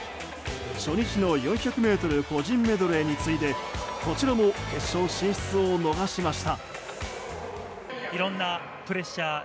初日の４００ｍ個人メドレーに続きこちらも決勝進出を逃しました。